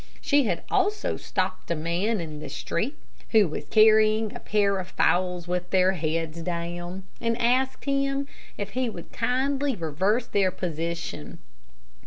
She had also stopped a man in the street who was carrying a pair of fowls with their heads down, and asked him if he would kindly reverse their position.